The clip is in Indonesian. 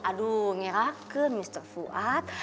aduh ngerake mr fuad